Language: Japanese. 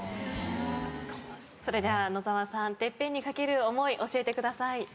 それでは野澤さんＴＥＰＰＥＮに懸ける思い教えてください。